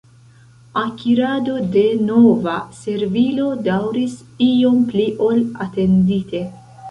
Akirado de nova servilo daŭris iom pli ol atendite.